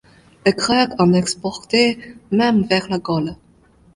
Les Grecs en exportaient même vers la Gaule.